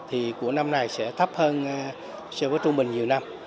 thì của năm này sẽ thấp hơn so với trung bình nhiều năm